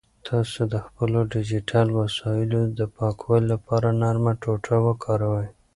تاسو د خپلو ډیجیټل وسایلو د پاکوالي لپاره نرمه ټوټه وکاروئ.